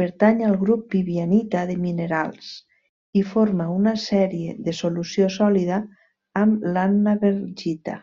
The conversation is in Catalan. Pertany al grup vivianita de minerals, i forma una sèrie de solució sòlida amb l'annabergita.